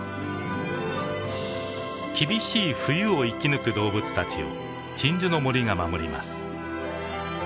厳しい冬を生き抜く動物たちを鎮守の森が守ります。